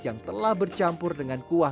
yang telah bercampur dengan kuah